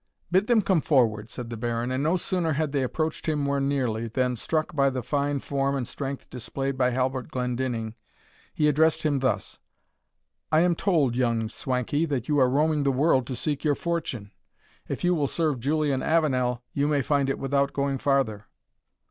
"Bid them come forward," said the Baron; and no sooner had they approached him more nearly, than, struck by the fine form and strength displayed by Halbert Glendinning, he addressed him thus: "I am told, young Swankie, that you are roaming the world to seek your fortune, if you will serve Julian Avenel, you may find it without going farther."